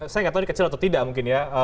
saya nggak tahu ini kecil atau tidak mungkin ya